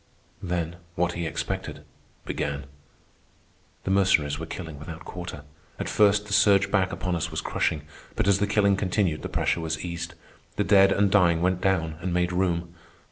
Then, what he expected, began. The Mercenaries were killing without quarter. At first, the surge back upon us was crushing, but as the killing continued the pressure was eased. The dead and dying went down and made room.